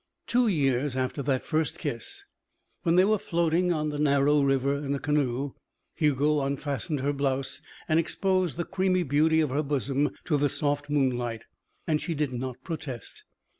Two years after that first kiss, when they were floating on the narrow river in a canoe, Hugo unfastened her blouse and exposed the creamy beauty of her bosom to the soft moonlight and she did not protest.